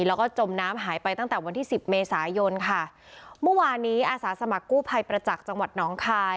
แล้วก็จมน้ำหายไปตั้งแต่วันที่สิบเมษายนค่ะเมื่อวานนี้อาสาสมัครกู้ภัยประจักษ์จังหวัดน้องคาย